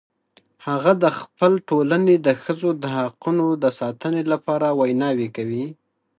هغه د خپل ټولنې د ښځو د حقونو د ساتنې لپاره ویناوې کوي